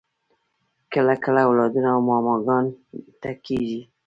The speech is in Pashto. کله کله اولادونه و ماماګانو ته کیږي